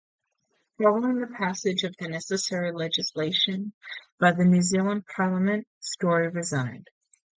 Following the passage of the necessary legislation by the New Zealand Parliament, Story resigned.